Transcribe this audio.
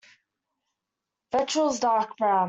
Ventrals dark brown.